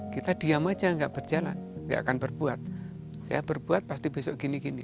kita diam saja enggak berjalan enggak akan berbuat saya berbuat pasti besok gini gini